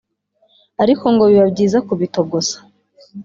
ariko ngo biba byiza kubitogosa